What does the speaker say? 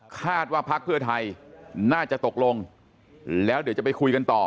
คาดว่าพักเพื่อไทยน่าจะตกลงแล้วเดี๋ยวจะไปคุยกันต่อ